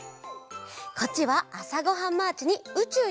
こっちは「あさごはんマーチ」に「うちゅうにムチュー」のえ！